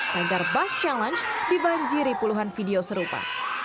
tagar bus challenge dibanjiri puluhan video serupa